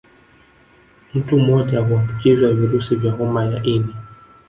Mtu mmoja huambukizwa virusi vya homa ya ini